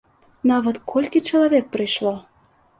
Нават колькі чалавек прыйшло!